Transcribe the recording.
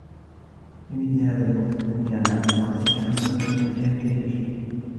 في مثل هذا الوقت من العام الماضي ، كان مسافرًا إلى الفلبين.